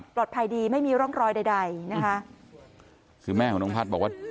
ดีไม่มีร่องรอยใดใดนะคะคือแม่ของน้องพัฒน์บอกว่า